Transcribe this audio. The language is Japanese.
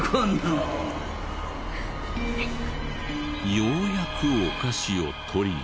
ようやくお菓子を取りに。